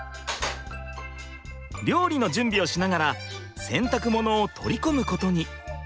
料理の準備をしながら洗濯物を取り込むことに。